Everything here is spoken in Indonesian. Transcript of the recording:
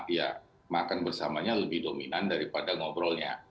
ya makan bersamanya lebih dominan daripada ngobrolnya